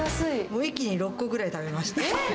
もう一気に６個ぐらい食べまえっ？